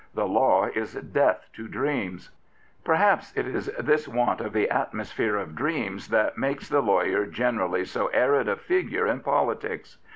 The law is death to dreams. Perhaps it is this want of the atmosphere of dreams that makes the lawyer generally so arid a figure in 160 Rufus Isaacs, K.C. politics.